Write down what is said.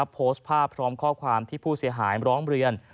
โพสต์ภาพพร้อมข้อความที่ผู้เสียหายร้องเรียน